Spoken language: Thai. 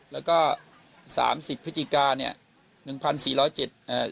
แล้วก็สามสิบพฤศจิกาเนี่ยหนึ่งพันสี่ร้อยเจ็ดอ่า